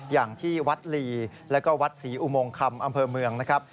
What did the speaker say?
อย่างที่วัดลีแล้วก็วัดศรีอุโมงคำอำเภอเมืองนะครับ